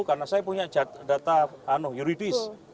karena saya punya data yuridis